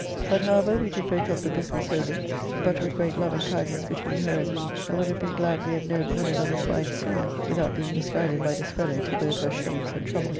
But however we did break off the business wholly, but with great love and kindness between her and me, and would have been glad we had known one another's minds sooner, without being misguided by this fellow to both our shames and trouble.